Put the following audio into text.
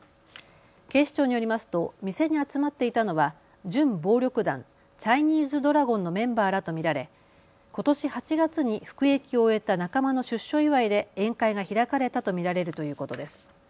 警視庁によりますと店に集まっていたのは準暴力団、チャイニーズドラゴンのメンバーらと見られことし８月に服役を終えた仲間の出所祝いで宴会が開かれたと見られるということです。